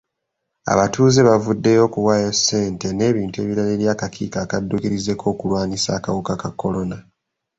Abatuuze bavuddeyo okuwayo ssente n'ebintu ebirala eri akakiiko akadduukirize k'okulwanyisa akawuka ka kolona.